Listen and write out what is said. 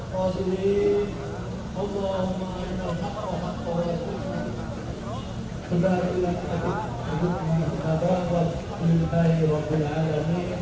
kita memasak masak untuk meninggalkan tempat ini